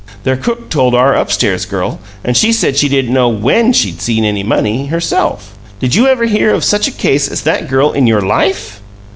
Their cook told our upstairs girl, and she said she didn't know WHEN she'd seen any money, herself! Did you ever hear of such a case as that girl in your LIFE?"